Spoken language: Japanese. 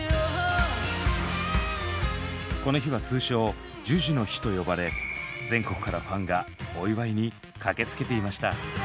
この日は通称「ＪＵＪＵの日」と呼ばれ全国からファンがお祝いに駆けつけていました。